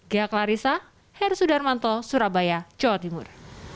gaya klarisa her sudarmanto surabaya jawa timur